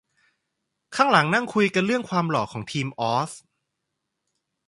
ข้างหลังนั่งคุยกันเรื่องความหล่อของทีมออส